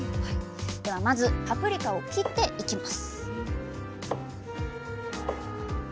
ではまずパプリカを切っていきます